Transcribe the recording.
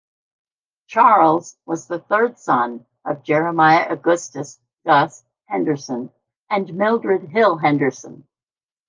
Charles was the third son of Jeremiah Augustus "Gus" Henderson and Mildred Hill Henderson.